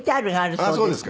そうですか。